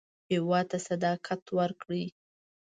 هېواد ته صداقت ورکړئ